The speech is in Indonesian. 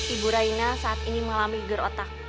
ibu raina saat ini mengalami gerotak